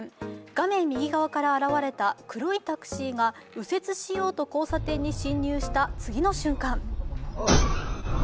画面右側から現れた黒いタクシーが右折しようと交差点に進入した次の瞬間。